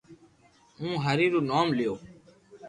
ھون ھري رو نوم ليو